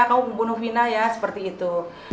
kamu pembunuh fina ya seperti itu